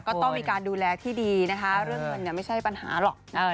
ก็ต้องมีการดูแลที่ดีนะคะเรื่องเงินไม่ใช่ปัญหาหรอก